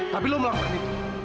tapi lu melakukan itu